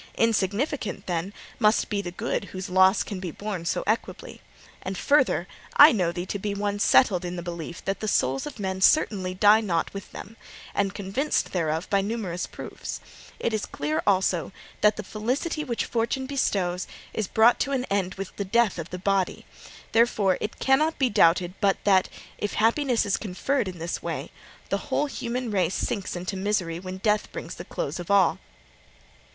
Insignificant, then, must be the good whose loss can be borne so equably. And, further, I know thee to be one settled in the belief that the souls of men certainly die not with them, and convinced thereof by numerous proofs; it is clear also that the felicity which Fortune bestows is brought to an end with the death of the body: therefore, it cannot be doubted but that, if happiness is conferred in this way, the whole human race sinks into misery when death brings the close of all.